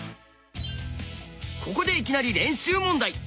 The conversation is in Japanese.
ここでいきなり練習問題！